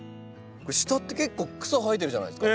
下って結構草生えてるじゃないですか。